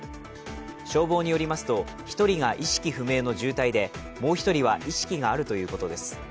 消防によりますと、１人が意識不明の重体でもう１人は意識があるということです。